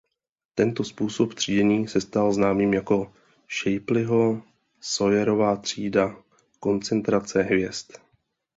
Tento způsob třídění se stal známým jako Shapleyho–Sawyerové třída koncentrace hvězd.